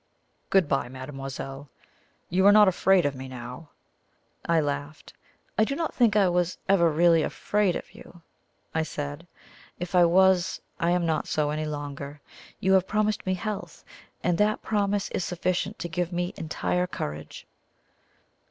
"Good bye, mademoiselle. You are not afraid of me now?" I laughed. "I do not think I was ever really afraid of you," I said. "If I was, I am not so any longer. You have promised me health, and that promise is sufficient to give me entire courage."